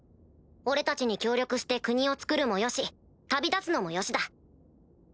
俺たちに協力して国をつくるもよし旅立つのもよしだ。